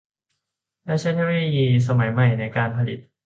และใช้เทคโนโลยีสมัยใหม่ในการผลิต